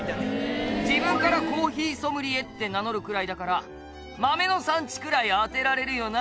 「自分からコーヒーソムリエって名乗るぐらいだから豆の産地ぐらい当てられるよな？